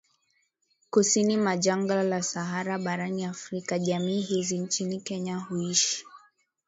Kusini mwa Jangwa la Sahara barani Afrika Jamii hizi nchini Kenya huishi